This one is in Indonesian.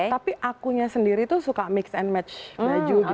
tapi akunya sendiri tuh suka mix and match baju gitu